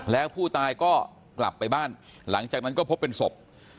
แล้วผู้ตายก็กลับไปบ้านหลังจากนั้นก็พบเป็นศพ